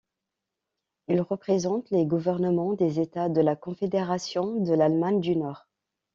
Il représente les gouvernements des États de la confédération de l'Allemagne du Nord.